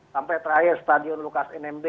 sampai terakhir stadion lukas nmb